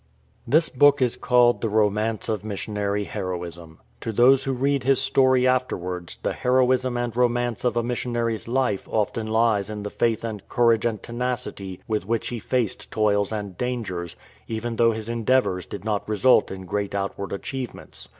This book is called The Romance of Missionary Heroism. To those who read his story afterwards, the heroism and romance of a missionary''s life often lies in the faith and courage and tenacity with which he faced toils and dangers, even though his endeavours did not result in great out ward achievements.